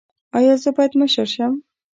ایا زه باید مشر شم؟